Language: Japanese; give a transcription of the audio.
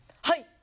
はい！